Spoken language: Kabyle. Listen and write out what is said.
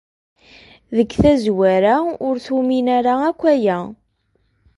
Deg tazwara, ur tumin ara akk aya.